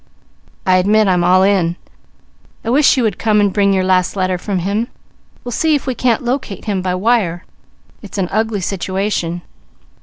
I admit I'm all in. I wish you would come and bring your last letter from him. We'll see if we can't locate him by wire. It's an ugly situation.